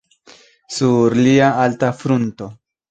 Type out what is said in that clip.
Sur lia alta frunto.